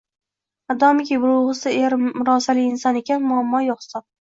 Modomiki, bo'lg'usi er murosali inson ekan, muammo yo'q hisob.